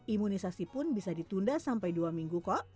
imunisasi pun bisa ditunda sampai dua minggu kok